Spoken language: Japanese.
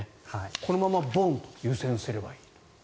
このままボンと湯煎すればいいと。